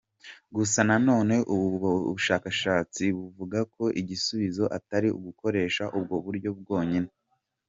Gusa nanone ubu bushakashatsi buvuga ko igisubizo atari ugukoresha ubwo buryo bwonyine.